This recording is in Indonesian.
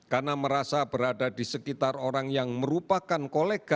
karena merasa berada di sekitar orang yang merupakan kolega kita kerja